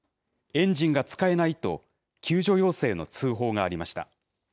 エンジンが使えないと、救助要請の通報がありました。